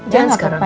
jalan sekarang ya